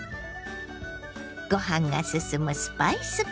ご飯がすすむスパイスカレー。